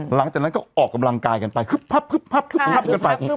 หลังจากนั้นก็ออกกำลังกายกันไปคึบพับคึบพับคึบพับกันไป